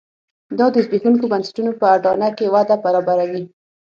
دا د زبېښونکو بنسټونو په اډانه کې وده برابروي.